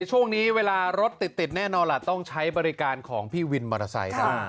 ช่วงนี้เวลารถติดแน่นอนล่ะต้องใช้บริการของพี่วินมอเตอร์ไซค์ได้